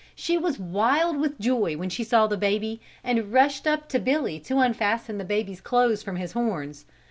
She was wild with joy when she saw the baby and rushed up to Billy to unfasten the baby's clothes from his horns.